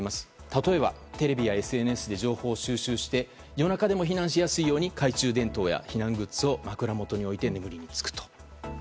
例えば、テレビやＳＮＳで情報を収集して夜中でも避難しやすいように懐中電灯や避難グッズを枕元に置いて眠りにつくと。